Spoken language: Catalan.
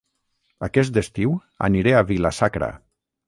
Aquest estiu aniré a Vila-sacra